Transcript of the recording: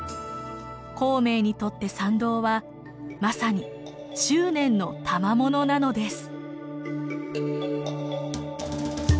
孔明にとって桟道はまさに執念のたまものなのです。